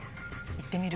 行ってみる？